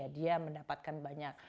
dia mendapatkan banyak